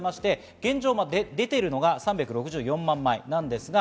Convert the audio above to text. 現状でているのが３６４万枚です。